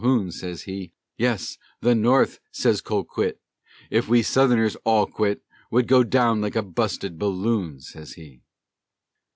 Calhoun, sez he; "Yes, the North," sez Colquitt, "Ef we Southeners all quit, Would go down like a busted balloon," sez he.